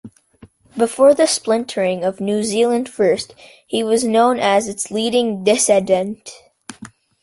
Before the splintering of New Zealand First, he was known as its leading dissident.